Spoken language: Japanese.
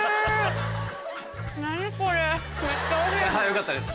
よかったです